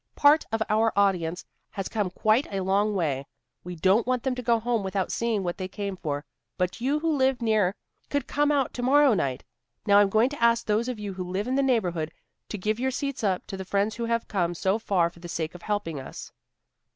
Part of our audience has come quite a long way. We don't want them to go home without seeing what they came for. But you who live near could come out to morrow night. Now I'm going to ask those of you who live in the neighborhood to give your seats up to the friends who have come so far for the sake of helping us."